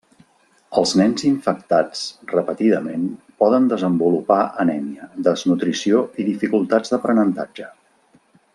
Els nens infectats repetidament poden desenvolupar anèmia, desnutrició i dificultats d'aprenentatge.